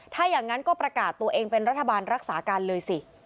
ถ้าอย่างนั้นก็ประกาศตัวเองเป็นรัฐบาลรักษาการเลยสิ